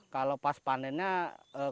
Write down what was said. kalau pas panennya kebunnya